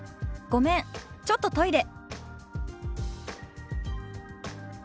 「ごめんちょっとトイレ」。